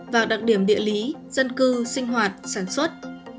vào đặc điểm địa lý dân cư sinh hoạt sản xuất